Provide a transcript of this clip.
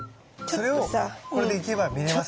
それをこれでいけば見れますね。